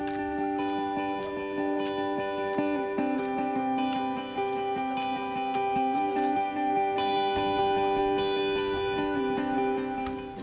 dulu buka usaha kecil kecilan sablon